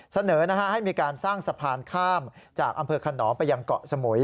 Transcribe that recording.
เสนอให้มีการสร้างสะพานข้ามจากอำเภอขนอมไปยังเกาะสมุย